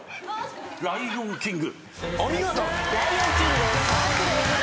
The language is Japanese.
『ライオン・キング』お見事。